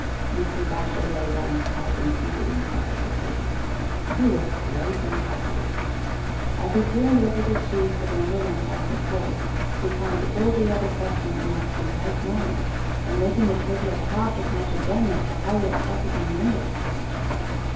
Mr. Batchel laid down his pipe and seated himself at the table. He was greatly puzzled. As he turned over the sheets of No. 1004 he found all the other questions marked in like manner, and making a total of half as much again as the highest possible number.